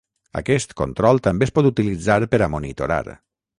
Aquest control també es pot utilitzar per a monitorar.